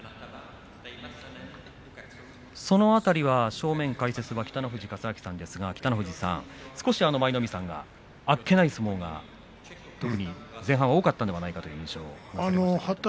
その辺りは正面解説北の富士勝昭さんですがしかし舞の海さんがあっけない相撲が特に前半は多かったのではないかという印象でした。